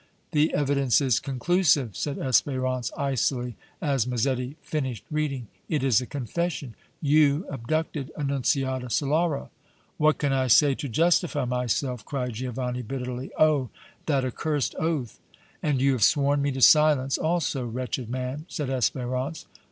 "The evidence is conclusive!" said Espérance, icily, as Massetti finished reading. "It is a confession! You abducted Annunziata Solara!" "What can I say to justify myself?" cried Giovanni, bitterly. "Oh! that accursed oath!" "And you have sworn me to silence, also, wretched man!" said Espérance.